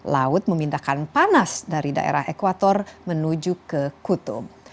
laut memindahkan panas dari daerah ekwator menuju ke kutub